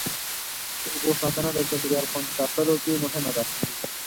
د اوبو ساتنه د چاپېریال خوندي ساتلو کې مهمه ده.